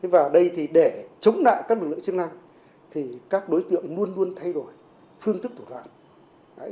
và đây để chống lại các lực lượng chức năng các đối tượng luôn luôn thay đổi phương thức thủ đoạn